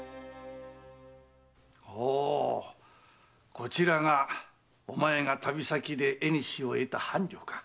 ほうこちらがお前が旅先で縁を得た伴侶か。